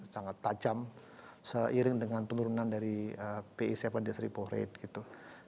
sangat tajam seiring dengan penurunan dari pi tujuh das repo rate gitu